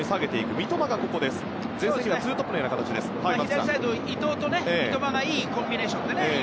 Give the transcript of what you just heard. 左サイドでは伊藤と三笘がいいコンビネーションで。